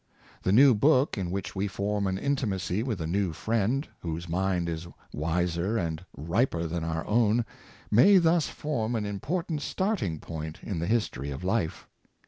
The new book, in which we form an intimacy with a new friend, whose mind is wiser and riper than our own, may thus form an im portant starting point in the history of life.